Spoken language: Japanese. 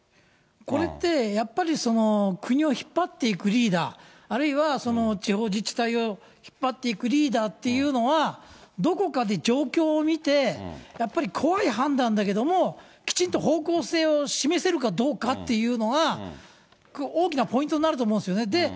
これって、やっぱり国を引っ張っていくリーダー、あるいは地方自治体を引っ張っていくリーダーというのは、どこかで状況を見て、やっぱり怖い判断だけれども、きちんと方向性を示せるかどうかっていうのは、大きなポイントになると思うんですよね。